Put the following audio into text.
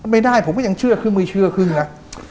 ไม่ได้ผมก็ยังเชื่อครึ่งไม่เชื่อครึ่งนะ